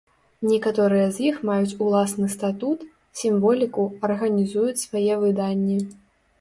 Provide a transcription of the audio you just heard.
Некаторыя з іх маюць уласны статут, сімволіку, арганізуюць свае выданні.